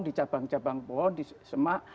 di cabang cabang pohon di semak